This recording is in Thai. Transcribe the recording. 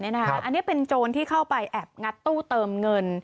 อันนี้เป็นโจรที่เข้าไปแอบงัดตู้เติมเงิน